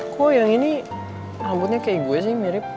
kok yang ini rambutnya kayak gue sih mirip